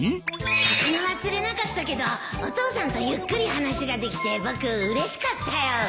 魚は釣れなかったけどお父さんとゆっくり話ができて僕うれしかったよ